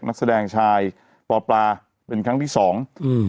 นักแสดงชายปอปลาเป็นครั้งที่สองอืม